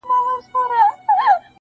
نه په غم کي د ګورم نه د ګوروان وو -